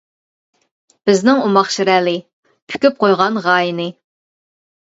بىزنىڭ ئوماق شىرئەلى، پۈكۈپ قويغان غايىنى.